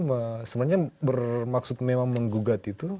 sebenarnya bermaksud memang menggugat itu